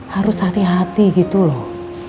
harus hati hati gitu loh